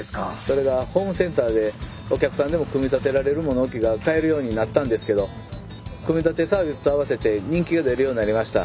それがホームセンターでお客さんでも組み立てられる物置が買えるようになったんですけど組み立てサービスと合わせて人気が出るようなりました。